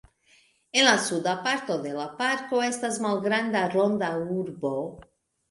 En la suda parto de la parko estas malgranda Ronda Urbo.